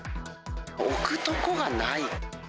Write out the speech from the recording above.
置くとこがない。